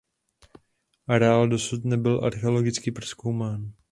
Areál dosud nebyl archeologicky prozkoumán.